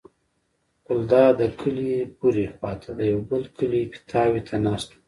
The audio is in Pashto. ګلداد د کلي پورې خوا ته د یوه بل کلي پیتاوي ته ناست و.